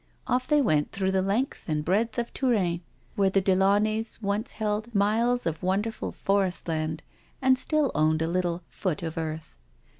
Off they went through the length and breadth of Tour aine, where the de Launays once held miles of wonder ful forest land, and still owned a little " foot of earth."